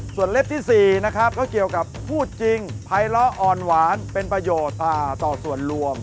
ส่วนเล็บที่๔นะครับก็เกี่ยวกับพูดจริงภัยล้ออ่อนหวานเป็นประโยชน์ต่อส่วนรวม